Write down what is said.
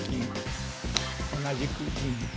同じく銀。